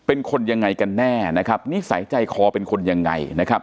เป็นคนยังไงกันแน่นะครับนิสัยใจคอเป็นคนยังไงนะครับ